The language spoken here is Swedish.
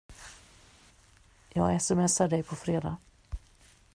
Jag sms: ar dig på fredag!